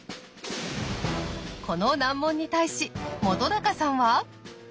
この難問に対し本さんは？